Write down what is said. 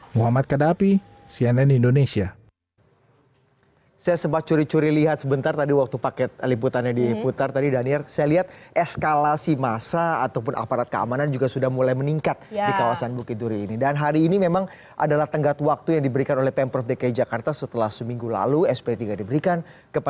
muhammad kadapi cnn indonesia